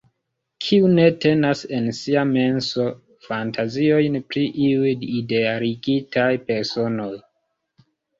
Kiu ne tenas en sia menso fantaziojn pri iuj idealigitaj personoj?